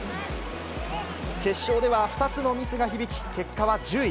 決勝では、２つのミスが響き、結果は１０位。